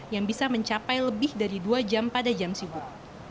yang bisa mencapai lebih dari dua jam pada jam sibuk